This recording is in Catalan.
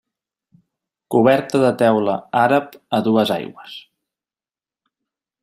Coberta de teula àrab a dues aigües.